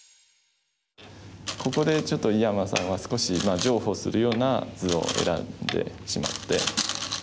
ここでちょっと井山さんは少し譲歩するような図を選んでしまって。